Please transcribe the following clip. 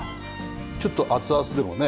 ちょっと熱々でもね。